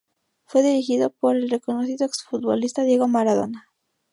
Fue dirigido por el reconocido ex-futbolista Diego Maradona.